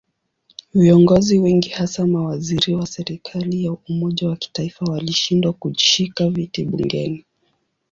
Viongozi wengi hasa mawaziri wa serikali ya umoja wa kitaifa walishindwa kushika viti bungeni.